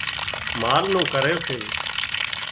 مال نُون ڪري سي